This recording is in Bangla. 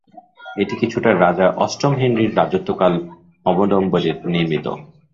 এটি কিছুটা রাজা অষ্টম হেনরির রাজত্বকাল অবলম্বনে নির্মিত।